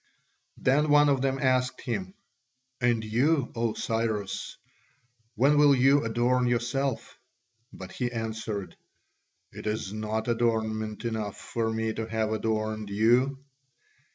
Then one of them asked him, "And you, O Cyrus, when will you adorn yourself?" But he answered, "Is it not adornment enough for me to have adorned you?